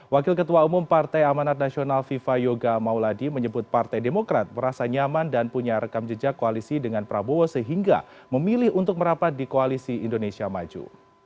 wakil ketua umum partai amanat nasional viva yoga mauladi menyebut partai demokrat merasa nyaman dan punya rekam jejak koalisi dengan prabowo sehingga memilih untuk merapat di koalisi indonesia maju